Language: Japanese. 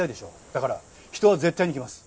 だから人は絶対に来ます。